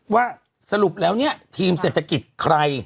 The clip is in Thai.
ว่าสรุปแล้วเนี่ยทีมเศรษฐกิจใคร